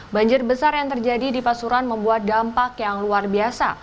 banjir besar yang terjadi di pasuruan membuat dampak yang luar biasa